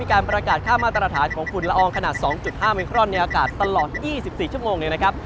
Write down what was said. การประกาศค่ามาตรฐานของฝุ่นละอองขนาด๒๕มิครอนในอากาศตลอด๒๔ชั่วโมงเนี่ยนะครับ